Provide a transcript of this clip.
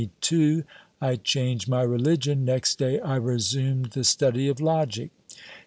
I changed my religion next day I resumed the study of logic.